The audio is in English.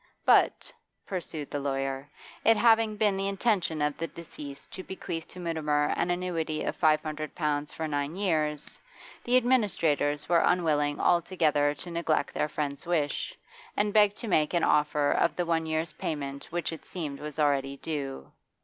But pursued the lawyer it having been the intention of the deceased to bequeath to Mutimer an annuity of five hundred pounds for nine years, the administrators were unwilling altogether to neglect their friend's wish, and begged to make an offer of the one year's payment which it seemed was already due.